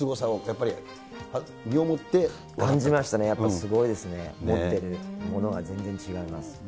でも、やっぱり、感じましたね、やっぱりすごいですね、持ってるものが全然違います。